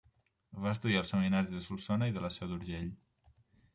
Va estudiar als seminaris de Solsona i de la Seu d'Urgell.